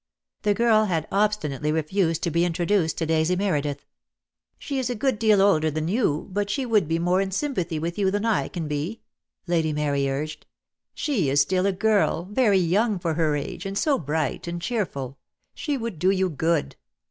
The girl had obstinately refused to be intro duced to Daisy Meredith. "She is a good deal older than you, but she would be more in sympathy with you than I can be," Lady Mary urged. "She is still a girl, very young for her age, and so bright and cheerful. She would do you good."